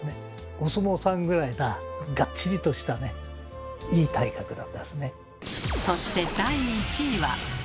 お相撲さんぐらいながっちりとしたねいい体格だったですね。